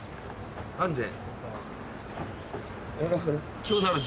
「何で」？